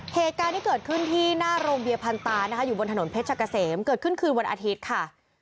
เหตุการณ์ที่เกิดขึ้นที่หน้าโรงเบียพันตานะคะอยู่บนถนนเพชรกะเสมเกิดขึ้นคืนวันอาทิตย์ค่ะ